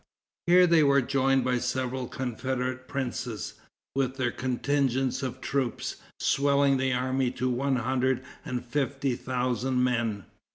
Here they were joined by several confederate princes, with their contingents of troops, swelling the army to one hundred and fifty thousand men.